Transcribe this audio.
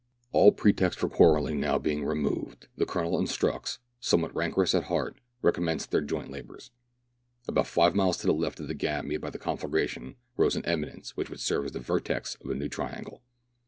All pretext for quarrelling being now removed, the Colonel and Strux, somewhat rancorous at heart, recom menced their joint labours. About five miles to the left of the gap made by the conflagration, rose an eminence which would serve as the vertex of a new triangle.